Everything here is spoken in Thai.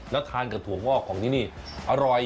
แล้วทานกับถั่วงอกของที่นี่อร่อย